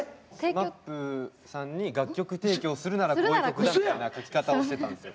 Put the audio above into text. ＳＭＡＰさんに楽曲提供するならこういう曲だって書き方をしてたんですよ。